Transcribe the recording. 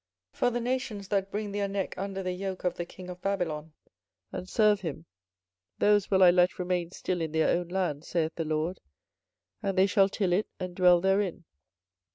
24:027:011 But the nations that bring their neck under the yoke of the king of Babylon, and serve him, those will I let remain still in their own land, saith the LORD; and they shall till it, and dwell therein.